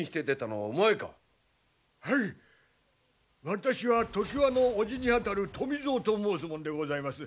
私は常磐の叔父にあたる富蔵と申す者でございます。